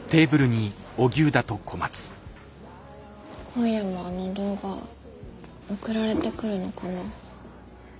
今夜もあの動画送られてくるのかな。